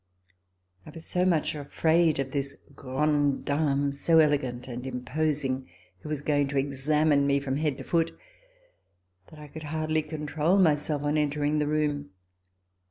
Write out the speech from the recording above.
I was so much afraid of this grande dame, so elegant and imposing, who was going to examine me from head to foot, that I could hardly control myself on entering the room.